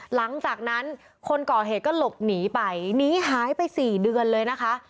หลังจากนั้นคนก่อเหตุก็หลบหนีไปหนีหายไปสี่เดือนเลยนะคะ